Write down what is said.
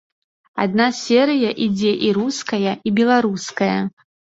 Адна серыя ідзе і руская, і беларуская.